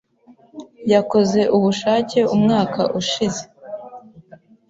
Yakoze ubushake umwaka ushize.